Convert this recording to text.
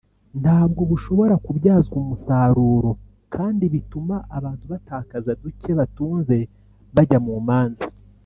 ntabwo bushobora kubyazwa umusaruro kandi bituma abantu batakaza duke batunze bajya mu manza